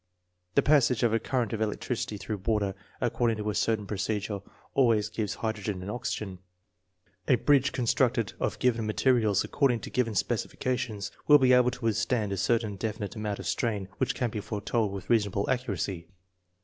The passage of a current of electricity through water according to a certain procedure always gives hydro gen and oxygen. A bridge constructed of given mate rials according to given specifications will be able to withstand a certain definite amount of strain which can be foretold with reasonable accuracy.